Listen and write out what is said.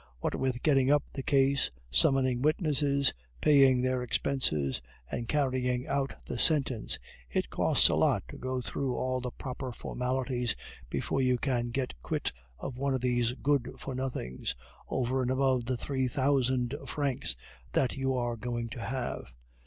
What with getting up the case, summoning witnesses, paying their expenses, and carrying out the sentence, it costs a lot to go through all the proper formalities before you can get quit of one of these good for nothings, over and above the three thousand francs that you are going to have.